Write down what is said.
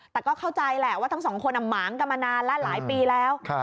แต่ก็เข้าใจแหละว่าทั้งสองคนหมางกันมานานแล้วหลายปีแล้ว